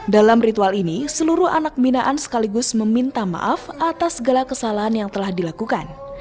dalam ritual ini seluruh anak pembinaan sekaligus meminta maaf atas segala kesalahan yang telah dilakukan